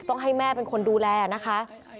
ต้องให้แม่เป็นคนดูแลนะคะ